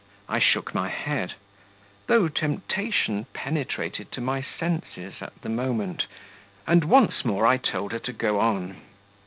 I shook my head, though temptation penetrated to my senses at the moment, and once more I told her to go on.